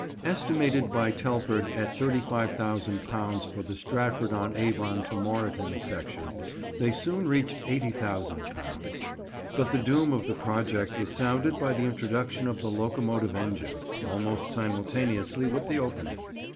Estimated by Telford at £35,000 for the Stratford on Avon to Moreton section, they soon reached £80,000. But the doom of the project was sounded by the introduction of the locomotive engine, almost simultaneously with the opening.